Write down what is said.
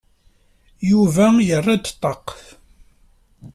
Yuba yerra-d ṭṭaq.